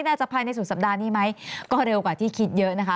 อาจจะภายในสุดสัปดาห์นี้ไหมก็เร็วกว่าที่คิดเยอะนะคะ